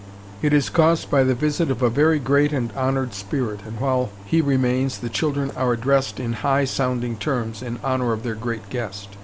It is caused by the visit of a very great and honored spirit, and while he remains the children are addressed in high sounding terms in honor of their great guest.